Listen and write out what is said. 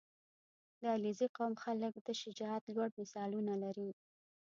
• د علیزي قوم خلک د شجاعت لوړ مثالونه لري.